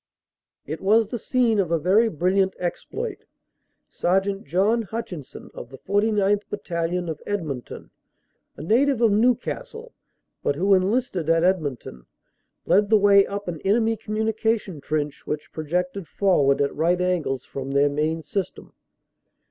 It was the scene of a very brilliant exploit. Sergt. John Hutchinson of the 49th Battalion, of Edmonton, a native of Newcastle, but who enlisted at Edmonton, led the way up an enemy communication trench, which projected forward at right angles from their main system.